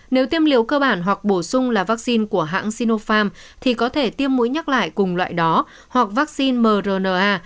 nếu tiêm liều cơ bản hoặc bổ sung là vaccine của hãng sinofarm thì có thể tiêm mũi nhắc lại cùng loại đó hoặc vaccine mrna